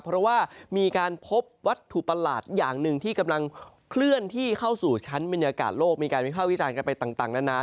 เพราะว่ามีการพบวัตถุประหลาดอย่างหนึ่งที่กำลังเคลื่อนที่เข้าสู่ชั้นบรรยากาศโลกมีการวิภาควิจารณ์กันไปต่างนานา